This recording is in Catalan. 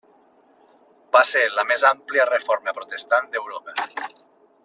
Va ser la més àmplia reforma protestant d'Europa.